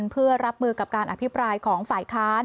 เพื่อรับมือกับการอภิปรายของฝ่ายค้าน